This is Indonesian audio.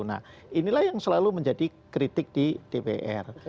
nah inilah yang selalu menjadi kritik di dpr